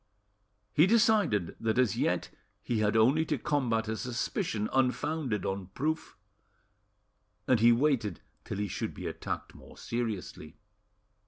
He decided that as yet he had only to combat a suspicion unfounded on proof, and he waited till he should be attacked more seriously.